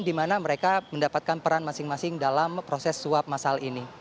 di mana mereka mendapatkan peran masing masing dalam proses swab masal ini